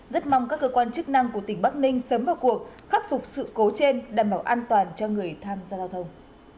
rất mong các cơ quan chức năng của tỉnh bắc ninh sớm vào cuộc khắc phục sự cố trên đảm bảo an toàn cho người tham gia giao thông